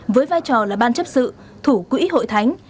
với vai trò là ban chấp sự thủ quỹ hội thánh